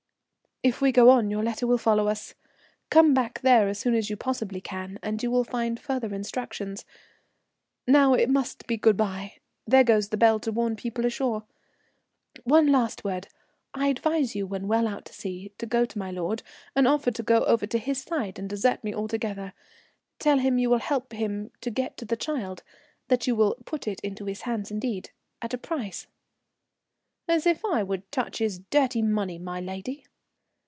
"If we go on your letter will follow us. Come back there as soon as you possibly can and you will find further instructions. Now it must be good bye, there goes the bell to warn people ashore. One last word: I advise you when well out to sea to go to my lord and offer to go over to his side and desert me altogether. Tell him you will help him to get the child, that you will put it into his hands indeed, at a price." "As if I would touch his dirty money, my lady!"